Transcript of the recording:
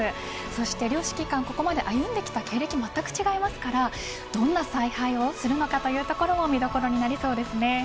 そして両指揮官、ここまで歩んできた経歴がまったく違いますからどんな采配をするのかというところも見どころになりそうですね。